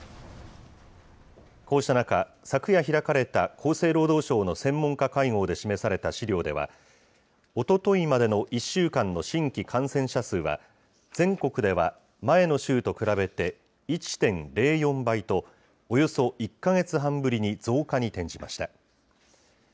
こうした中、昨夜開かれた厚生労働省の専門家会合で示された資料では、おとといまでの１週間の新規感染者数は、全国では前の週と比べて１．０４倍と、およそ１か月半ぶりに増加に転じました。